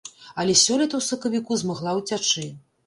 Але сёлета ў сакавіку змагла ўцячы.